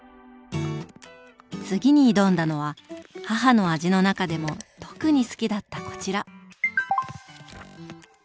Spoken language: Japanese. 次に挑んだのは母の味の中でも特に好きだったこちら。